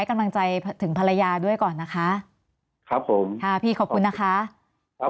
กำลังใจถึงภรรยาด้วยก่อนนะคะครับผมค่ะพี่ขอบคุณนะคะครับ